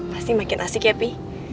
pasti makin asik ya pi